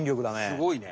すごいね。